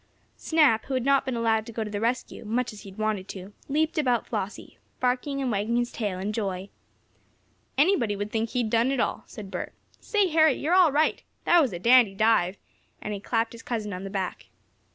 Snap, who had not been allowed to go to the rescue, much as he had wanted to, leaped about Flossie, barking and wagging his tail in joy. "Anybody would think he'd done it all," said Bert. "Say, Harry, you're all right! That was a dandy dive!" and he clapped his cousin on the back.